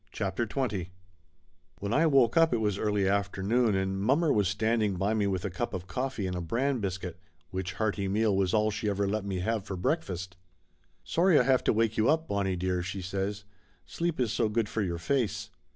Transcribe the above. CHAPTER XX VI7HEN I woke up it was early afternoon, and mommer was standing by me with a cup of coffee and a bran biscuit, which hearty meal was all she ever let me have for breakfast. "Sorry I have to wake you up, Bonnie dear," she says. "Sleep is so good for your face.